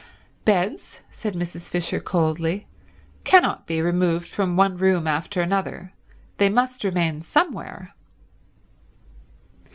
"Beds," said Mrs. Fisher coldly, "cannot be removed from one room after another. They must remain somewhere."